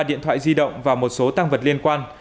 một điện thoại di động và một số tăng vật liên quan